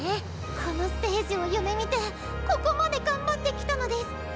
このステージを夢みてここまで頑張ってきたのデス。